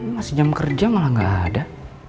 masih jam kerja malah nggak ada